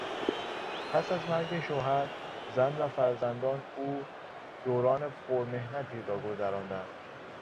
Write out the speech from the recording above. پس از مرگ شوهر، زن و فرزندان او دوران پر محنتی را گذراندند.